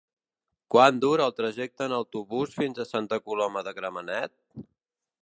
Quant dura el trajecte en autobús fins a Santa Coloma de Gramenet?